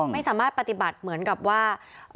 ไม่สามารถปฏิบัติเหมือนกับว่า